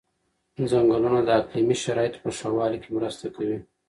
ځنګلونه د اقلیمي شرایطو په ښه والي کې مرسته کوي.